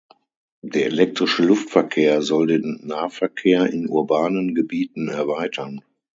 Der elektrische Luftverkehr soll den Nahverkehr in urbanen Gebieten erweitern.